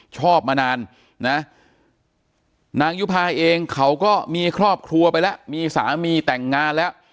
ชอบมานานนะนางยุภาเองเขาก็มีครอบครัวไปแล้วมีสามีแต่งงานแล้ว